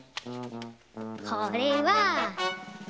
これは。